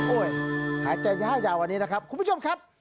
โอ้ยหาใจย่าวันนี้นะครับคุณผู้ชมครับ